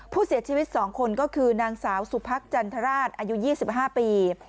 ผู้เสียชีวิตสองคนก็คือนางสาวสุพรรคจันทราชอายุยี่สิบห้าปี